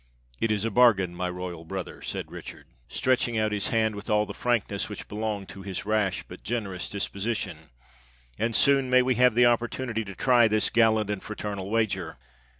"It is a bargain, my royal brother," said Richard, 6i8 THE TEARING DOWN OF ENGLAND'S FLAG stretching out his hand with all the franlmcss which belonged to his rash but generous disjiosition; "and soon may we have the opportunity to try this gallant and fraternal wager!"